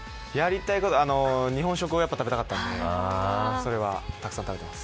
日本食を食べたかったのでそれはたくさん食べてます。